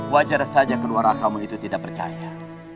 wajar saja keluarga kamu itu tidak percaya